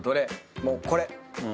もうこれ。